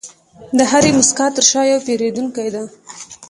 د هرې موسکا تر شا یو پیرودونکی دی.